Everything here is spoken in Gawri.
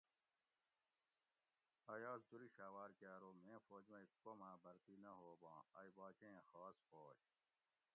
ایاز دُرشھوار کہ ارو میں فوج مئ کوم آ بھرتی نہ ہوباں ائ باچیں خاص فوج